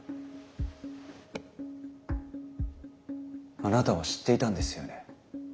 あなたは知っていたんですよね？